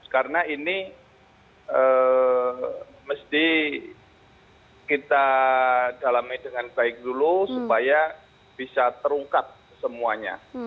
karena ini mesti kita dalami dengan baik dulu supaya bisa terungkap semuanya